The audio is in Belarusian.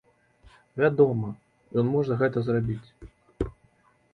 Вядома, ён можа гэта зрабіць!